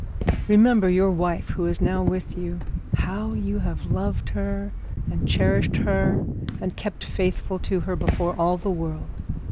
Remember your wife who is now with you; how you have loved her and cherished her, and kept faithful to her before all the world.